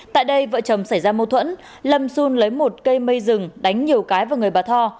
tại đây vợ chồng xảy ra mâu thuẫn lâm xun lấy một cây mây rừng đánh nhiều cái vào người bà tho